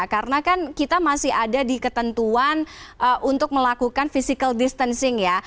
karena kan kita masih ada di ketentuan untuk melakukan physical distancing ya